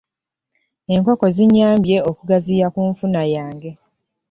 Enkoko zinnyambye okugaziya ku nfuna yange.